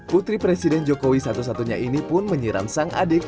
putri presiden jokowi satu satunya ini pun menyiram sang adik